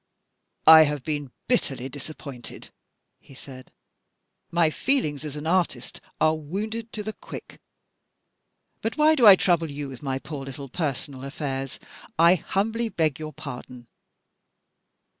"I have been bitterly disappointed," he said. "My feelings as an artist are wounded to the quick. But why do I trouble you with my poor little personal affairs? I humbly beg your pardon."